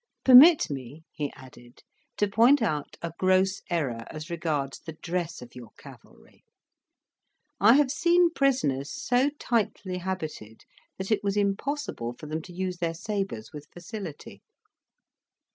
"Permit me," he added, "to point out a gross error as regards the dress of your cavalry. I have seen prisoners so tightly habited that it was impossible for them to use their sabres with facility."